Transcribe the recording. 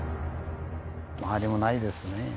周りもないですねぇ。